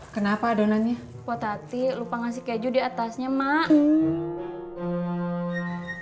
kenapa adonannya potati lupa ngasih keju di atasnya mak